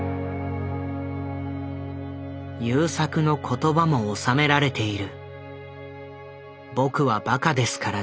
優作の言葉も収められている。